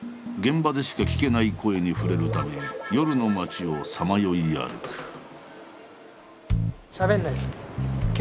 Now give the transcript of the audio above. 現場でしか聞けない声に触れるため夜の街をさまよい歩く。